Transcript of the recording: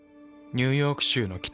ニューヨーク州の北。